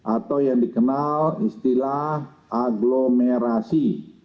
atau yang dikenal istilah agglomerasi